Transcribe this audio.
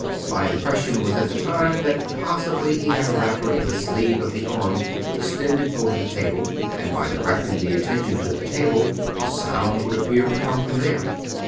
My impression was at the time that possibly he had a rapper in the sleeve of the arm extended over the table, and by directing the attention to the table the sound would appear to come from there.